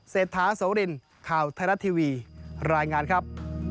เศรษฐาโสรินข่าวไทยรัฐทีวีรายงานครับ